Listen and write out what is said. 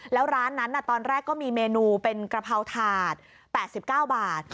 แล้วร้านนั้นตอนแรกก็มีเมนูเป็นกระเพราถาด๘๙บาท